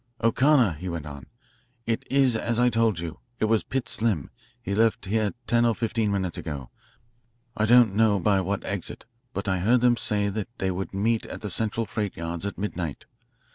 "O'Connor," he went on, "it is as I told you. It was Pitts Slim. He left here ten or fifteen minutes ago I don't know by what exit, but I heard them say they would meet at the Central freightyards at midnight.